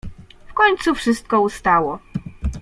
W końcu wszystko ustało.